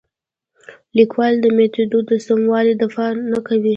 لیکوال د میتود د سموالي دفاع نه کوي.